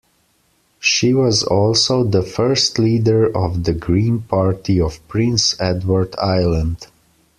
She was also the first leader of the Green Party of Prince Edward Island.